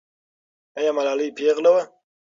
آیا ملالۍ پېغله وه؟